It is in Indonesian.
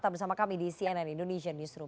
tetap bersama kami di cnn indonesian newsroom